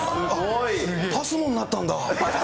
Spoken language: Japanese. ＰＡＳＭＯになったんだ。